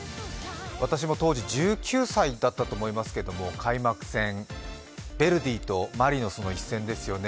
私も当時１９歳だったと思いますけれども、開幕戦、ヴェルディとマリノスの一戦ですよね。